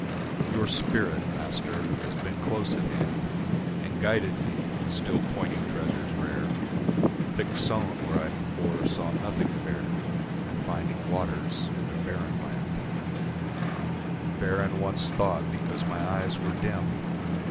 Your Spirit, Master, has been close at hand And guided me, still pointing treasures rare, Thick sown where I before saw nothing fair And finding waters in the barren land, Barren once thought because my eyes were dim.